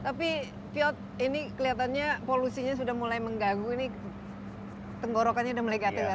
tapi fyod ini kelihatannya polusinya sudah mulai menggaguh ini tenggorokannya sudah melegatkan